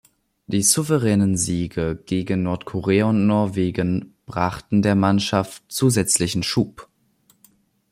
Die souveränen Siege gegen Nordkorea und Norwegen brachten der Mannschaft zusätzlichen Schub.